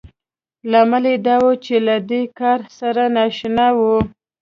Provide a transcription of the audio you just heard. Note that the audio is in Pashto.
لامل يې دا و چې له دې کار سره نااشنا وو.